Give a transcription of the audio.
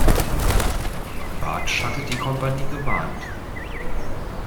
Bartsch hatte die Kompanie gewarnt.